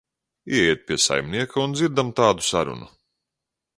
Ieiet pie saimnieka un dzirdam tādu sarunu.